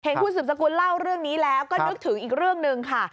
เห็นคุณสืบสกุลเล่าเรื่องนี้แล้วก็นึกถึงอีกเรื่องหนึ่งค่ะ